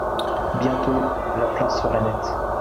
Bientôt, la place serait nette.